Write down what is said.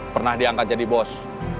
pernah diangkat jadi bos